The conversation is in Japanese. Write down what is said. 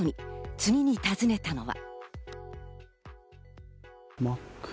次に訪ねたのは。